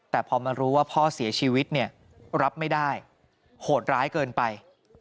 แต่พอมารู้ว่าพ่อเสียชีวิตเนี่ยรับไม่ได้โหดร้ายเกินไป